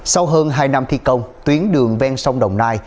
sau hơn hai năm thi công tuyến đường ven sông đồng nai